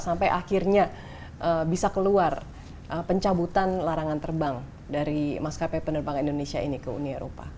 sampai akhirnya bisa keluar pencabutan larangan terbang dari maskapai penerbangan indonesia ini ke uni eropa